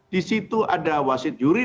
di situ ada wasit juri